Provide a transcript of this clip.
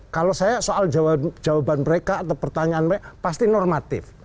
kalau saya soal jawaban mereka atau pertanyaan mereka pasti normatif